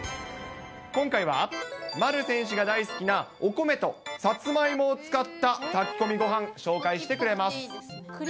今回は、丸選手が大好きなお米とさつまいもを使った炊き込みごはん、紹介してくれます。